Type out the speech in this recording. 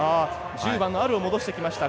１０番のアルを戻してきました。